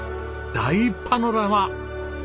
大パノラマ！